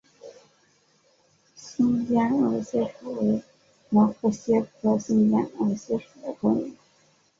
新尖额蟹属为膜壳蟹科新尖额蟹属的动物。